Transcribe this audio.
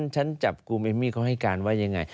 ฉันจับกลุ่มเอมมี่เขาให้การว่ายังไง